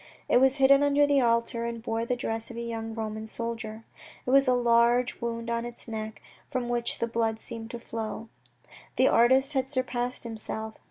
It was hidden under the altar, and bore the dress of a young Roman soldier. It had a large wound on its neck, from which the blood seemed to flow. The artist had surpassed himself.